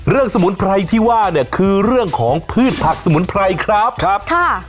สมุนไพรที่ว่าเนี่ยคือเรื่องของพืชผักสมุนไพรครับครับค่ะ